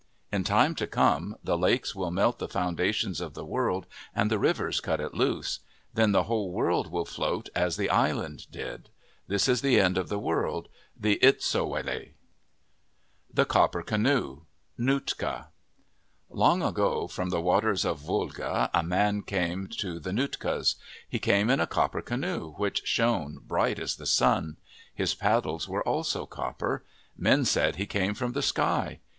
In time to come, the lakes will melt the founda tions of the world and the rivers cut it loose. Then the whole world will float as the island did. This is the end of the world, the Itsowleigh. 1 06 OF THE PACIFIC NORTHWEST THE COPPER CANOE Nootka ENG ago, from the waters of Whulge, a man came to the Nootkas. He came in a copper canoe, which shone bright as the sun. His paddles were also copper. Men said he came from the sky.